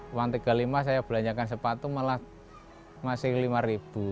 uang tiga puluh lima saya belanjakan sepatu malah masih rp lima